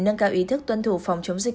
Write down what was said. nâng cao ý thức tuân thủ phòng chống dịch